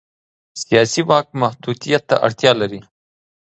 سیاسي واک محدودیت ته اړتیا لري